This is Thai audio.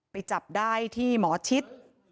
ไปจับได้ที่หมอชิด